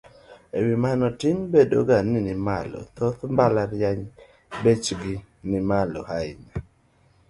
E wi mano, ting' bedo ga ni nimalo. Thoth mbalariany bechgi nimalo ahinya.